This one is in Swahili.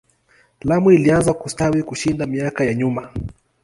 Lamu ilianza kustawi kushinda miaka ya nyuma.